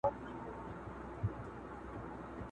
چي امیر خلک له ځانه وه شړلي!.